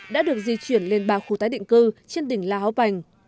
đã được di chuyển lên ba khu tái định cư trên đỉnh la háo bành